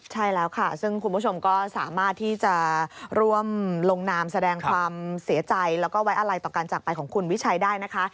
ใช่แล้วค่ะซึ่งคุณผู้ชมก็สามารถที่จะร่วมลงนามแสดงความเสียใจแล้วก็ไว้อะไรต่อการจากไปของคุณวิชัยได้นะคะ